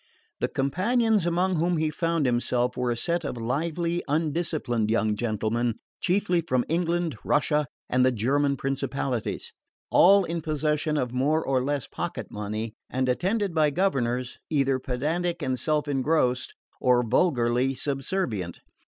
The companions among whom he found himself were a set of lively undisciplined young gentlemen, chiefly from England, Russia and the German principalities; all in possession of more or less pocket money and attended by governors either pedantic and self engrossed or vulgarly subservient.